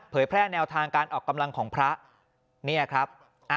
แพร่แนวทางการออกกำลังของพระเนี่ยครับ